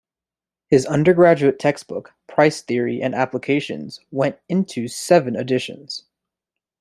His undergraduate textbook, "Price Theory and Applications", went into seven editions.